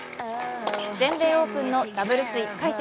全米オープンのダブルス１回戦。